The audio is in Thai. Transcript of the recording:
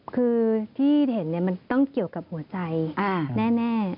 คือที่เห็นมันต้องเกี่ยวกับหัวใจแน่